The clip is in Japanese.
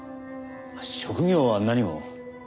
職業は何を？